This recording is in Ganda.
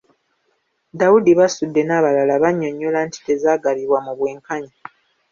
Daudi Basudde n'abalala bannyonnyola nti tezaagabibwa mu bwenkanya.